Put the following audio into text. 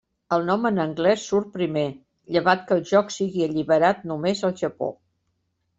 El nom en anglès surt primer, llevat que el joc sigui alliberat només al Japó.